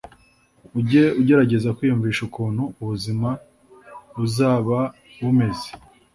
ujye ugerageza kwiyumvisha ukuntu ubuzima buzaba bumeze